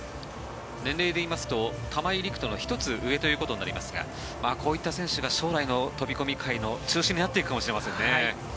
年齢で言いますと玉井陸斗の１つ上ということになりますがこういった選手が将来の飛込界の中心になっていくかもしれませんね。